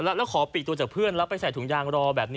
แล้วขอปีกตัวจากเพื่อนแล้วไปใส่ถุงยางรอแบบนี้